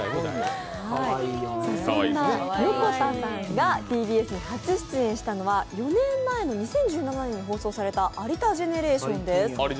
そんな横田産がＴＢＳに初出演したのは４年前の２０１７年に放送した「有田ジェネレーション」です。